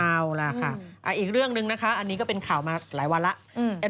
เอาล่ะค่ะอีกเรื่องนึงนะคะอันนี้ก็เป็นข่าวมาหลายวันแล้ว